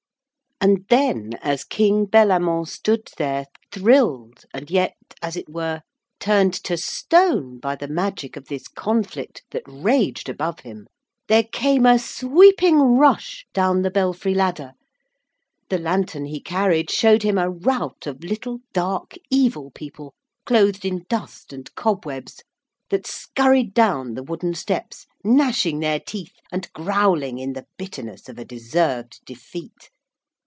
And then, as King Bellamant stood there, thrilled and yet, as it were, turned to stone, by the magic of this conflict that raged above him, there came a sweeping rush down the belfry ladder. The lantern he carried showed him a rout of little, dark, evil people, clothed in dust and cobwebs, that scurried down the wooden steps gnashing their teeth and growling in the bitterness of a deserved defeat.